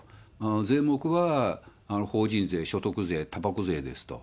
税目は、法人税、所得税、たばこ税ですと。